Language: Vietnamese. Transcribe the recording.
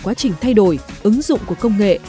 quá trình thay đổi ứng dụng của công nghệ